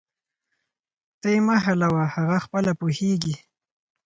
ته یې مه حلوه، هغه خپله پوهیږي